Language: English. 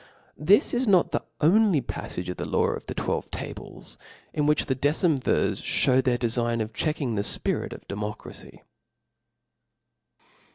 This is not the only paffagc of the law of the twelve ubleS) in which the decemvirs Oaicm their defign of checking the fpirit of democracy.